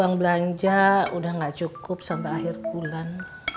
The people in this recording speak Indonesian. uang belanja udah gak cukup sampai akhir bulan